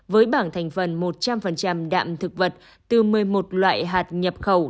với bảng thành phần một trăm linh đạm thực vật từ một mươi một loại hạt nhập khẩu